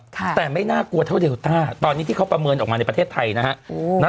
แต่ไม่น่ากลัวเท่าเดลต้าตอนนี้ที่เขาประเมินออกมาในประเทศไทยนะฮะ